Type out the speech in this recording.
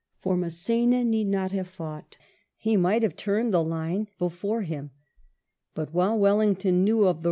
For Mass^na need not have fought^ he might have turned the line before him; but while Wellington knew of the.